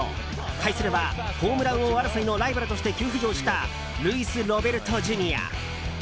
対するは、ホームラン王争いのライバルとして急浮上したルイス・ロベルトＪｒ．。